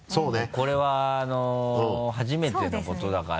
これは初めてのことだから。